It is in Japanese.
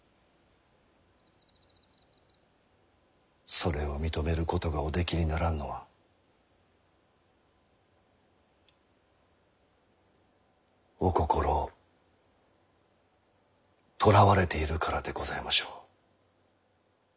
それを認めることがおできにならんのはお心をとらわれているからでございましょう。